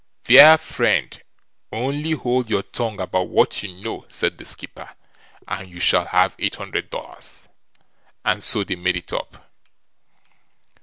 "Dear friend, only hold your tongue about what you know", said the skipper, "and you shall have eight hundred dollars." And so they made it up.